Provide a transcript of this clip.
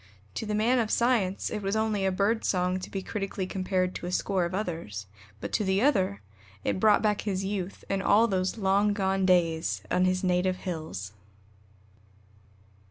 To the man of science it was only a bird song to be critically compared to a score of others; but to the other it brought back his youth and all those long gone days on his native hills!